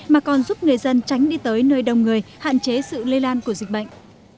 mà còn giúp người dân tránh đi tới nơi đông người hạn chế sự lây lan của dịch bệnh